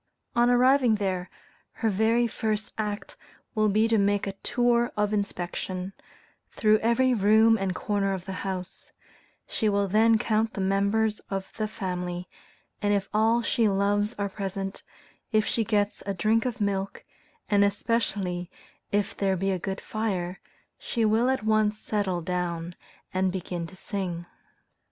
On arriving there, her very first act will be to make a tour of inspection, through every room and corner of the house; she will then count the members of the family, and if all she loves are present, if she gets a drink of milk, and especially if there be a good fire, she will at once settle down and begin to sing.